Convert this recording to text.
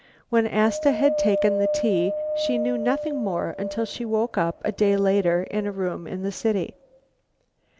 When Asta had taken the tea, she knew nothing more until she woke up a day later in a room in the city."